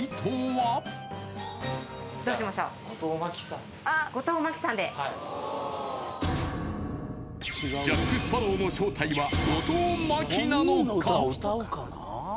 はいジャック・スパロウの正体は後藤真希なのか？